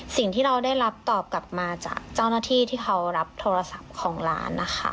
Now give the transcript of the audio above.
สิ่งที่เราได้รับตอบกลับมาจากเจ้าหน้าที่ที่เขารับโทรศัพท์ของร้านนะคะ